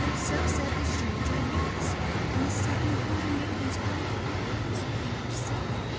So said the stranger youths, and the Seven Corn Maidens heard their words and were sad.